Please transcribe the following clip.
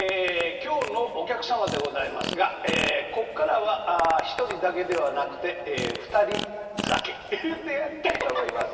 今日のお客様でございますがここからは１人だけではなくて「ふたり酒」でやりたいと思います。